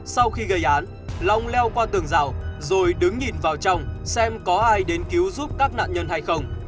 sau khi gây án long leo qua tường rào rồi đứng nhìn vào trong xem có ai đến cứu giúp các nạn nhân hay không